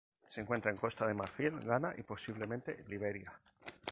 Se encuentra en Costa de Marfil, Ghana, y posiblemente, Liberia.